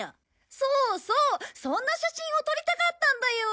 そうそうそんな写真を撮りたかったんだよ。